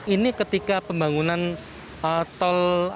ini ketika pembangunan tol